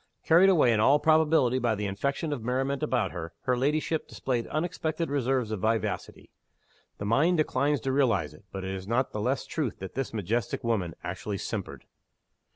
Carried away, in all probability, by the infection of merriment about her, her ladyship displayed unexpected reserves of vivacity. The mind declines to realize it; but it is not the less true that this majestic woman actually simpered!